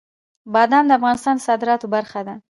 بادام د افغانستان د صادراتو برخه ده.